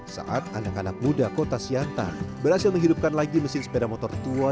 saat anak anak muda kota siantar berhasil menghidupkan lagi mesin sepeda motor tua